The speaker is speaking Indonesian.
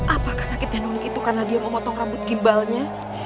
apakah sakitnya nuni itu karena dia memotong rambut gimbalnya